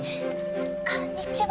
「こんにちは」